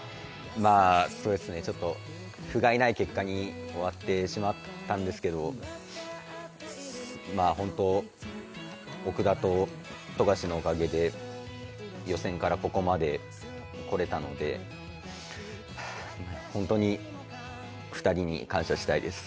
ちょっとふがいない結果に終わってしまったんですけれども、奥田と富樫のおかけで予選からここまで来れたので、本当に２人に感謝したいです。